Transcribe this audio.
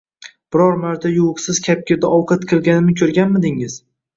Biror marta yuviqsiz kapgirda ovqat qilganimni ko`rganmidingiz